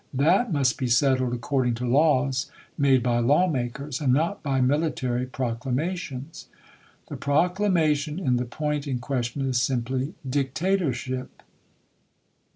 That must be settled according to laws made by lawmakers, and not by mihtary proclamations. The proclamation in the point in question is simply "dictatorship."